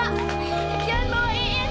pak jangan bawa iis pak